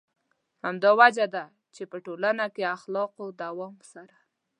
همدا وجه ده چې په ټولنه کې اخلاقو دوام سره.